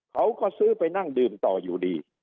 เขาก็ซื้อไปนั่งดื่มต่ออยู่ดี